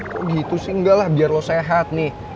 kok gitu sih enggak lah biar lo sehat nih